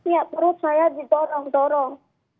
ya perut saya didorong dorong